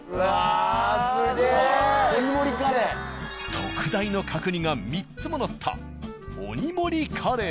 特大の角煮が３つものった鬼盛りカレー。